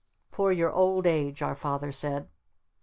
"For your old age," our Father said.